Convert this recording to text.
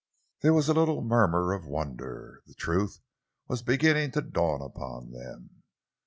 There was a little murmur of wonder. The truth was beginning to dawn upon them.